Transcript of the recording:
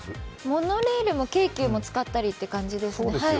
モノレールも京急も使ったりって感じですね。